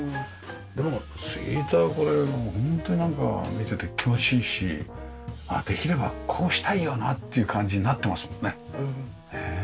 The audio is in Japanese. でも杉板はこれ本当になんか見てて気持ちいいしできればこうしたいよなっていう感じになってますもんね。